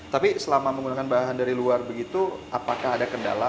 tapi selama menggunakan bahan dari luar begitu apakah ada kendala